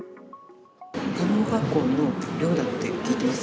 看護学校の寮だって聞いています。